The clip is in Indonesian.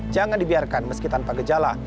jangan dibiarkan meski tanpa gejala